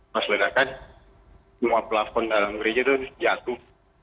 pas ledakan semua pelafon dalam gereja itu jatuh